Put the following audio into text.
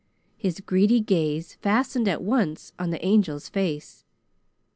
His greedy gaze fastened at once on the Angel's face.